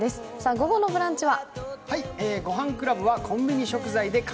午後の「ブランチ」は？